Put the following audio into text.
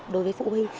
đối với phụ huynh